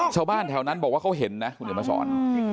ชาวบ้านแถวนั้นบอกว่าเขาเห็นนะคุณเดี๋ยวมาสอน